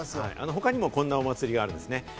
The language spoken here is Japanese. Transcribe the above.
他にもこんな祭りがあるんですね。